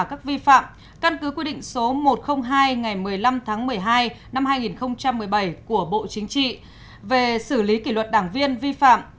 căn cứ quy định số một trăm linh hai ngày một mươi năm tháng một mươi hai năm hai nghìn một mươi bảy của bộ chính trị về xử lý kỷ luật đảng viên vi phạm